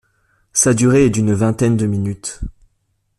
Sa durée est d'une vingtaine de minutes.